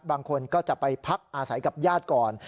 บางคนก็จะไปพักอาศัยกับญาติก่อน